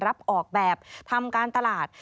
ออกแบบทำการตลาด